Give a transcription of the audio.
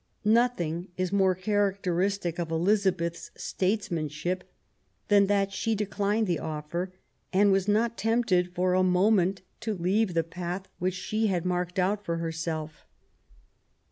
Nothing is more characteristic of Elizabeth's states manship than that she declined the offer, and was not tempted for a moment to leave the path which she had marked out for herself.